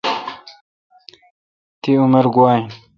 تی عمر گوا این۔